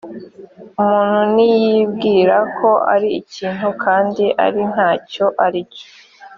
umuntu niyibwira ko ari ikintu kandi ari nta cyo ari cyo